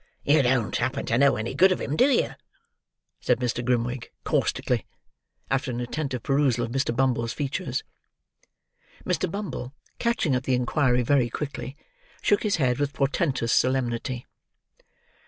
"You don't happen to know any good of him, do you?" said Mr. Grimwig, caustically; after an attentive perusal of Mr. Bumble's features. Mr. Bumble, catching at the inquiry very quickly, shook his head with portentous solemnity.